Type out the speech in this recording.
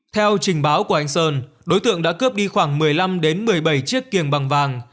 theo trình báo của anh sơn đối tượng đã cướp đi khoảng một mươi năm một mươi bảy chiếc kiềng bằng vàng